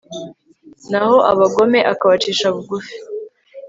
naho abagome akabacisha bugufi